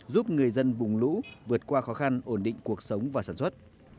giúp người dân vùng lũ vượt qua khó khăn ổn định cuộc sống và sản xuất